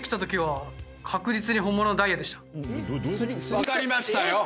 分かりましたよ！